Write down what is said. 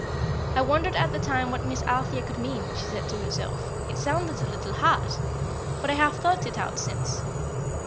"I wondered at the time what Miss Althea could mean," she said to herself; "it sounded a little hard. But I have thought it out since.